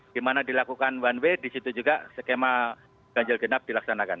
dimana dilakukan one way disitu juga skema ganjil genap dilaksanakan